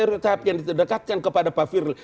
janganlah macam stereotip yang didekatkan kepada pak firul